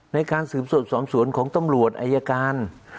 ในการสืบสดสร้างส่วนของตำรวจไอยการอือ